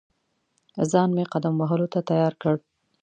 ځان مې قدم وهلو ته تیار کړ.